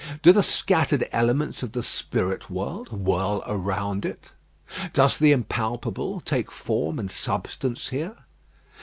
Do the scattered elements of the spirit world whirl around it? Does the impalpable take form and substance here?